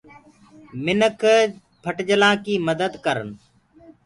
مِنک ڦٽجلآنٚ ڪي مدت ڪرن۔